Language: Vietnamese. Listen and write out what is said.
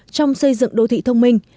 trong xây dựng đô thị thông minh